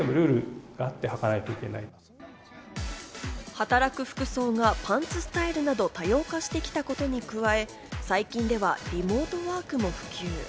働く服装がパンツスタイルなど多様化してきたことに加え、最近ではリモートワークも普及。